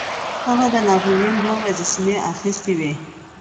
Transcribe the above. هغه د ناپلیون دوه مجسمې اخیستې وې.